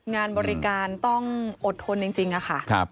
งานบริการต้องอดทนจริงค่ะ